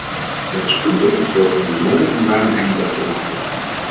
Het is goed dat iets wordt ondernomen om daar een eind aan te maken.